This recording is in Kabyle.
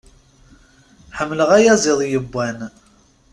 Ḥemmleɣ ayaziḍ yewwan.